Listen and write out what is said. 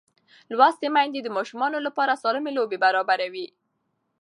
لوستې میندې د ماشوم لپاره سالمې لوبې برابروي.